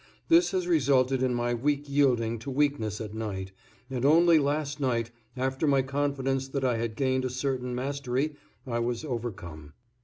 This has resulted in my weak yielding to weakness at night, and only last night after my confidence that I had gained a certain mastery I was overcome.